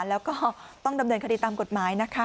แล้วก็ต้องดำเนินคดีตามกฎหมายนะคะ